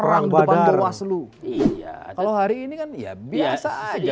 yang ingin menggerakkan ke mana kita baru jadi